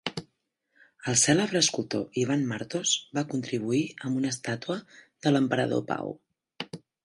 El cèlebre escultor Ivan Martos va contribuir amb una estàtua de l'Emperador Pau.